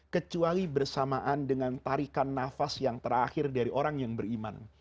kecuali bersamaan dengan tarikan nafas yang terakhir dari orang yang beriman